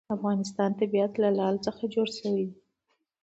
د افغانستان طبیعت له لعل څخه جوړ شوی دی.